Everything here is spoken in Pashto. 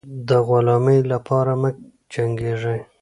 د غلامۍ لپاره مه جنګېږی.